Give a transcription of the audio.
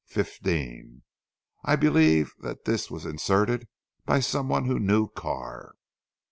Fifteen. I believe that this was inserted by some one who knew Carr.